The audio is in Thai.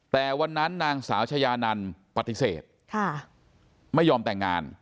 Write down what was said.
แต่วันนั้นนางสาวชายานันปฏิเสธไม่ยอมแต่งงาน